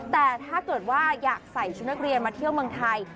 แต่ถ้าเกิดว่าอยากใส่ชุดนักเรียนมาเที่ยวเมืองไทย